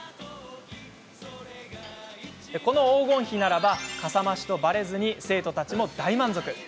この黄金比ならばかさ増しとばれず生徒たちも大満足。